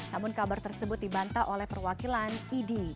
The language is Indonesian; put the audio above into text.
namun kabar tersebut dibantah oleh perwakilan idi